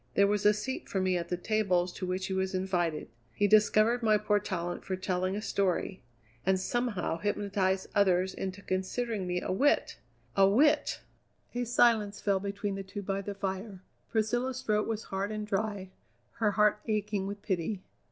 There was a seat for me at the tables to which he was invited; he discovered my poor talent for telling a story, and somehow hypnotized others into considering me a wit! A wit!" A silence fell between the two by the fire. Priscilla's throat was hard and dry, her heart aching with pity.